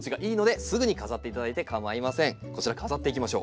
こちら飾っていきましょう。